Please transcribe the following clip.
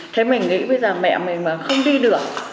thế mình nghĩ bây giờ mẹ mình mà không đi được